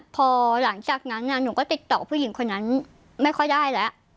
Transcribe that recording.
พอหลังจากนั้นหนูก็ติดต่อผู้หญิงคนนั้นไม่ค่อยได้แล้ว